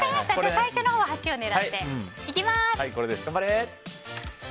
最初のほうは８を狙います！